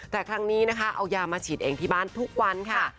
แต่ครั้งนี้นะคะเอายามาฉีดเองที่บ้านทุกวันค่ะ